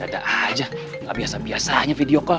gak biasa biasanya video call